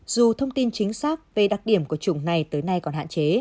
dù thông tin chính xác về đặc điểm của chủng này tới nay còn hạn chế